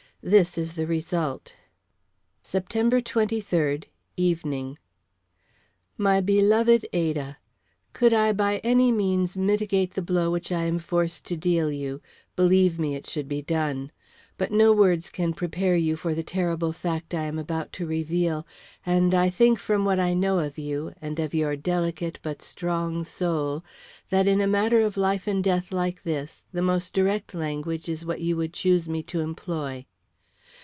This is the result: September 23d. Evening. My Beloved Ada: Could I by any means mitigate the blow which I am forced to deal you, believe me it should be done. But no words can prepare you for the terrible fact I am about to reveal, and I think from what I know of you, and of your delicate but strong soul, that in a matter of life and death like this the most direct language is what you would choose me to employ.